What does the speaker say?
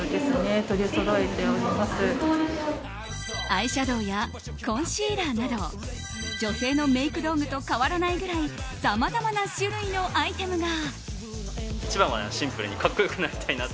アイシャドーやコンシーラーなど女性のメイク道具と変わらないぐらいさまざまな種類のアイテムが。